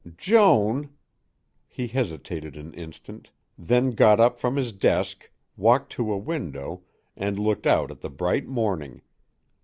"Joan " He hesitated an instant, then got up from his desk, walked to a window, and looked out at the bright morning.